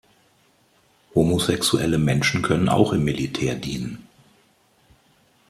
Homosexuelle Menschen können auch im Militär dienen.